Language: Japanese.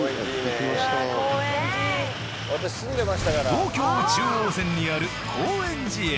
東京中央線にある高円寺駅。